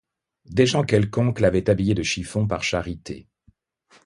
Des gens quelconques l'avaient habillé de chiffons par charité.